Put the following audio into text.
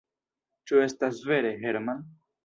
Ĉu estas vere, Herman?